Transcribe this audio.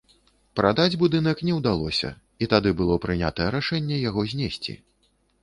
Прадаць будынак не ўдалося і тады было прынятае рашэнне яго знесці.